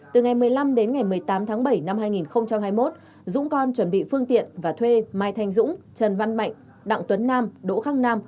từ ngày một mươi năm đến ngày một mươi tám tháng bảy năm hai nghìn hai mươi một dũng con chuẩn bị phương tiện và thuê mai thanh dũng trần văn mạnh đặng tuấn nam đỗ khắc nam